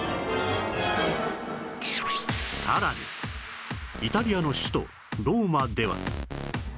さらにイタリアの首都ローマでは